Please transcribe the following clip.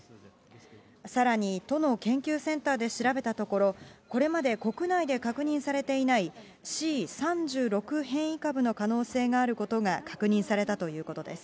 さらに都の研究センターで調べたところ、これまで国内で確認されていない、Ｃ３６変異株の可能性があることが確認されたということです。